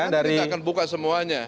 kita akan buka semuanya